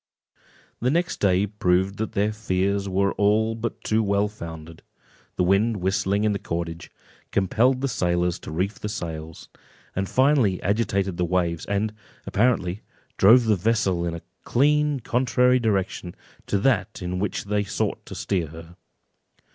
The next day proved that their fears were but too well founded; the wind whistling in the cordage, compelled the sailors to reef the sails, and finally agitated the waves, and, apparently, drove the vessel in a clean contrary direction to that in which they sought to steer her.